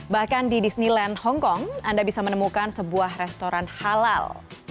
bahkan di disneyland hongkong anda bisa menemukan sebuah restoran halal